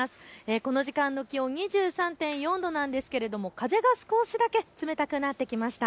この時間の気温２３．４度なんですけれども風が少しだけ冷たくなってきました。